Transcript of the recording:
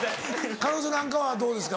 彼女なんかはどうですか？